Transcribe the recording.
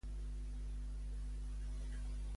Quan va establir-se el monestir de Neresheim?